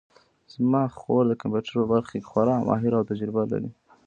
زما خور د کمپیوټر په برخه کې خورا ماهره او تجربه لري